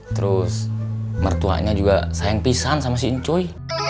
terus mertuanya juga sayang pisan sama si encoy